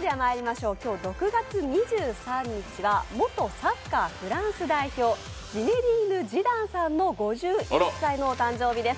では今日６月２３日は元サッカーフランス代表のジネディーヌ・ジダンさんの５１歳のお誕生日です。